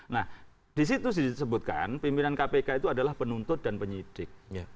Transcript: nah disitu disebutkan pimpinan kpk itu adalah penuntut dan penyidik